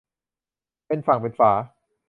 เป็นฝั่งเป็นฝา